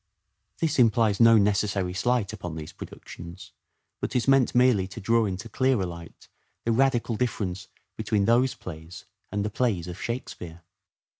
This implies no necessary slight upon these productions, but is meant merely to draw into clearer light the radical difference between those plays and the plays of " Shakespeare."